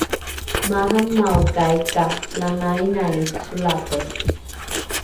maaramaokai ka langainai solate